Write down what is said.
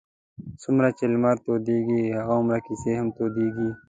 څومره چې لمر تودېږي هغومره کیسې هم تودېږي.